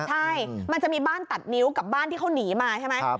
ใช่มันจะมีบ้านตัดนิ้วกับบ้านที่เขาหนีมาใช่ไหม